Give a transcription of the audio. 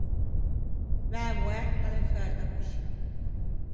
Mæ moæ a l’é fæta coscì.